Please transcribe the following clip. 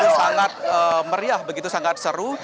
sangat meriah begitu sangat seru